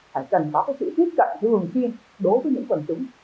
phải cần có sự tiếp cận thường xuyên đối với những quần chúng